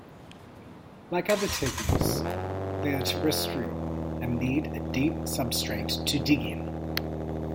Like other tegus, they are terrestrial and need a deep substrate to dig in.